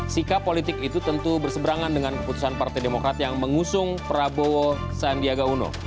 sikap politik itu tentu berseberangan dengan keputusan partai demokrat yang mengusung prabowo sandiaga uno